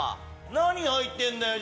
何入ってんだよ？